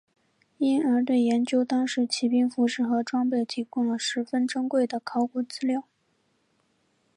因而对研究当时骑兵服饰和装备提供了十分珍贵的考古资料。